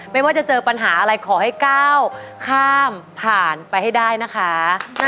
ไม่ว่าจะเจอปัญหาอะไรขอให้ก้าวข้ามผ่านไปให้ได้นะคะ